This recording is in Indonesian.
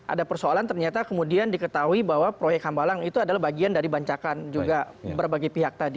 ada persoalan ternyata kemudian diketahui bahwa proyek hambalang itu adalah bagian dari bancakan juga berbagai pihak tadi